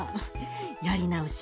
やり直し。